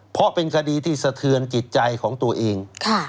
เพราะเป็นคดีที่สะเทือนจิตใจของตัวเอง